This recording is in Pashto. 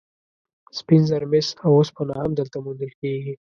سپین زر، مس او اوسپنه هم دلته موندل کیږي.